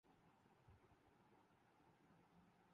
ہم میں سے نہیں تھے؟